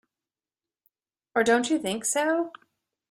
Or don't you think so?